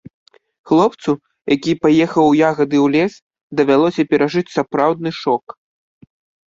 Хлопцу, які паехаў у ягады ў лес, давялося перажыць сапраўдны шок.